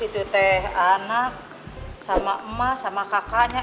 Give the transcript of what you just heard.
itu teh anak sama emak sama kakaknya